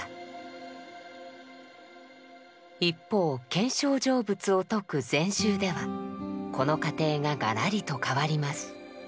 一方見性成仏を説く禅宗ではこの過程ががらりと変わります。